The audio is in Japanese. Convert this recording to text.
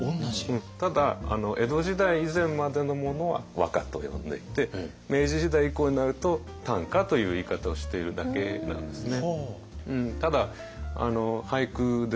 ただ江戸時代以前までのものは和歌と呼んでいて明治時代以降になると短歌という言い方をしているだけなんですね。